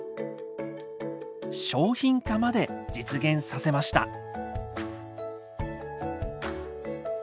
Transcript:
商品化まで実現させました。